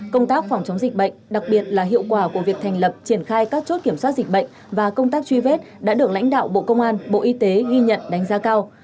công tác phòng chống dịch bệnh đặc biệt là hiệu quả của việc thành lập triển khai các chốt kiểm soát dịch bệnh và công tác truy vết đã được lãnh đạo bộ công an bộ y tế ghi nhận đánh giá cao